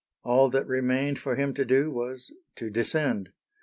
All that remained for him to do was to descend.